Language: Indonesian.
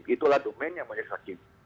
itulah domain yang banyak hakim